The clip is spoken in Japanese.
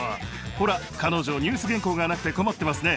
ほら彼女ニュース原稿がなくて困ってますね。